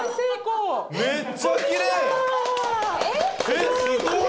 えっすごい！